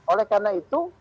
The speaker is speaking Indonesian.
oleh karena itu